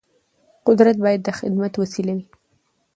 قدرت باید د خدمت وسیله وي